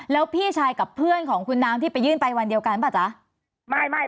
แล้วพี่ชายกับเพื่อนของคุณน้ำที่ไปยื่นไปวันเดียวกันป่ะจ๊ะ